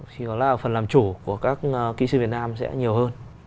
chỉ có là phần làm chủ của các kỹ sư việt nam sẽ nhiều hơn